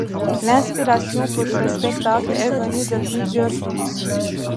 L'inspiration pour ce spectacle est venue de plusieurs sources.